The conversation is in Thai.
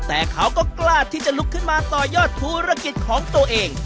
แต่เขาก็กล้าที่จะลุกขึ้นมาต่อยอดธุรกิจของตัวเอง